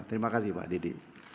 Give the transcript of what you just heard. terima kasih pak didi